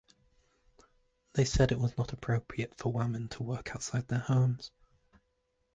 They said it was not appropriate for women to work outside of their homes.